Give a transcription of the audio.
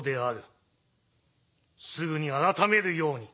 すぐに改めるように。